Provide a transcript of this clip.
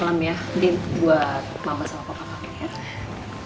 salam ya di buat mama sama papa kamu ya